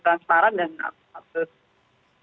transparan dan aktif